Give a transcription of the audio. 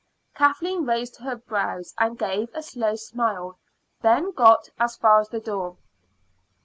Kathleen raised her brows and gave a slow smile. Ben got as far as the door.